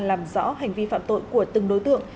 làm rõ hành vi phạm tội của từng đối tượng